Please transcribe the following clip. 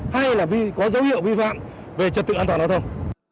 hay là có dấu hiệu vi phạm về trật tự an toàn hóa thông